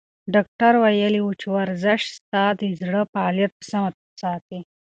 ډاکتر ویلي وو چې ورزش ستا د زړه فعالیت په سمه ساتي.